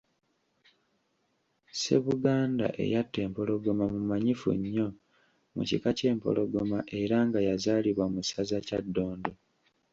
Ssebuganda eyatta empologoma mumanyifu nnyo mu kika ky’Empologoma era nga yazaalibwa mu ssaza Kyaddondo.